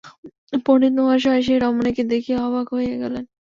পণ্ডিমহাশয় সে রমণীকে দেখিয়া অবাক হইয়া গেলেন।